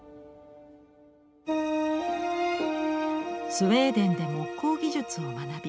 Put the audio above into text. スウェーデンで木工技術を学び